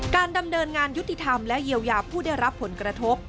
การดำเนินงานยุติธรรมและเยียวยาผู้ได้รับผลกระทบ